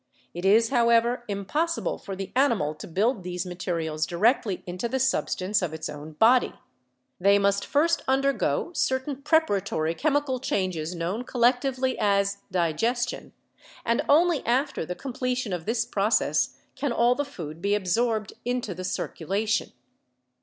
It is, however, impossible for the animal to build these materials directly into the substance of its own body. They must first undergo cer tain preparatory chemical changes known collectively as digestion, and only after the completion of this process can all the food be absorbed into the circulation.